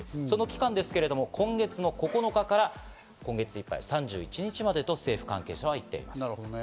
その期間ですけど、今月９日から今月いっぱい３１日までと政府関係者は言っています。